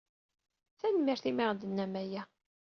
Tanemmirt i mi ɣ-d-tennam aya.